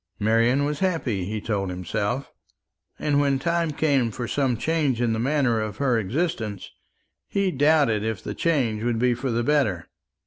Marian was happy, he told himself; and when time came for some change in the manner of her existence, he doubted if the change would be for the better.